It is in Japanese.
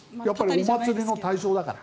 お祭りの対象だから。